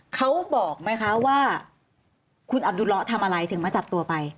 เขาบอกไหมคะว่าคุณอับดุเลาะทำอะไรถึงมาจับตัวไป